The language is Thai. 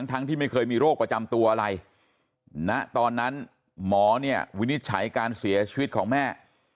ที่ไม่เคยมีโรคประจำตัวอะไรณตอนนั้นหมอเนี่ยวินิจฉัยการเสียชีวิตของแม่